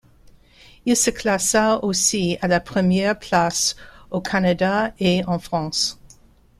Il se classa aussi à la première place au Canada et en France.